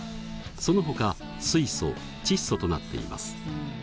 そのほか水素窒素となっています。